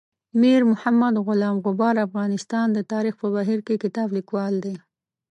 میر محمد غلام غبار افغانستان د تاریخ په بهیر کې کتاب لیکوال دی.